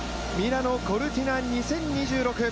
ミラノ・コルティナ２０２６